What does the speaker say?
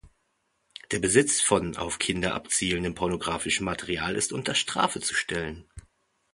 Der Besitz von auf Kinder abzielendem pornographischem Material ist unter Strafe zu stellen.